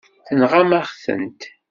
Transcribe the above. Tenɣam-aɣ-tent.